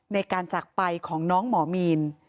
ในการจากไปของน้องหมอมีน